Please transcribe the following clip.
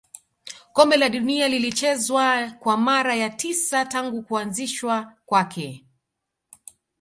kombe la dunia lilichezwa kwa mara ya tisa tangu kuanzishwa kwake